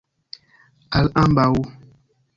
Al ambaŭ.